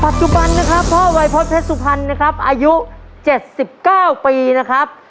ปัจจุบันนะครับพ่อวัยพฤษเพชรสุพรรณนะครับอายุ๗๙ปีนะครับ